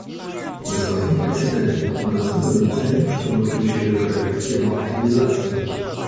Господин Председатель, мы особенно ценим, что вы включили в график тему активизации.